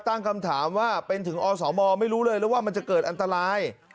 ตั้งคำถามว่าเป็นถึงอสมไม่รู้เลยแล้วว่ามันจะเกิดอันตราย